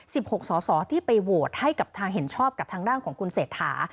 หกสอสอที่ไปโหวตให้กับทางเห็นชอบกับทางด้านของคุณเศรษฐา